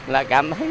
là cảm thấy